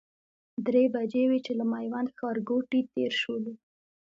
درې بجې وې چې له میوند ښارګوټي تېر شولو.